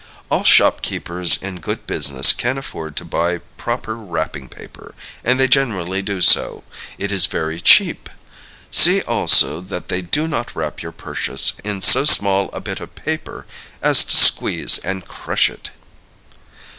All shopkeepers in good business can afford to buy proper wrapping paper, and they generally do so. It is very cheap. See also that they do not wrap your purchase in so small a bit of paper as to squeeze and crush it.